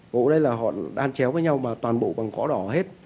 gỗ đây là họ đan chéo với nhau mà toàn bộ bằng gõ đỏ hết